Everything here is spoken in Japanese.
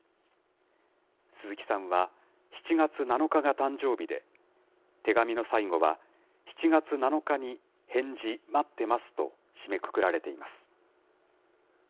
鈴木さんは、７月７日が誕生日で、手紙の最後は７月７日に返事、待ってますと締めくくられています。